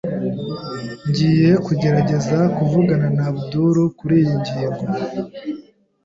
Ngiye kugerageza kuvugana na Abdul kuriyi ngingo.